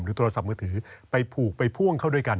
โทรศัพท์มือถือไปผูกไปพ่วงเขาด้วยกัน